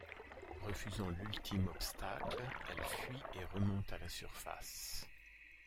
Refusant l'ultime obstacle, elle fuit et remonte à la surface.